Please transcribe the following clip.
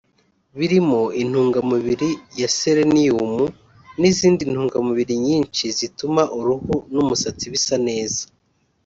birimo intungamubiri ya seleniyumu n’izindi ntungamubiri nyinshi zituma uruhu n’umusatsi bisa neza